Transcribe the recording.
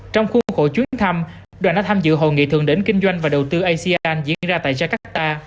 trong khuôn khổ chuyến thăm đoàn đã tham dự hội nghị thường đến kinh doanh và đầu tư asean diễn ra tại jakarta